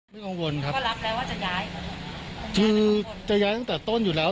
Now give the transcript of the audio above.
กังวลครับก็รับแล้วว่าจะย้ายจริงจะย้ายตั้งแต่ต้นอยู่แล้ว